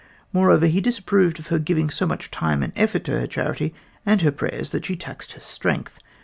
Moreover, he disapproved of her giving so much time and effort to her charity and her prayers that she taxed her strength.